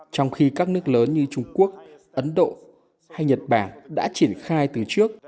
trong khi các nước lớn như trung quốc ấn độ hay nhật bản đã triển khai từ trước